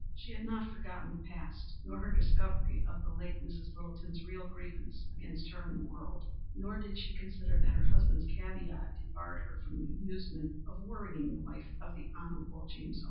She had not forgotten the past, nor her discovery of the late Mrs. Littleton's real grievance against her and the world. Nor did she consider that her husband's caveat debarred her from the amusement of worrying the wife of the Hon. James O.